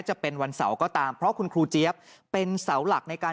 จะเป็นวันเสาร์ก็ตามเพราะคุณครูเจี๊ยบเป็นเสาหลักในการ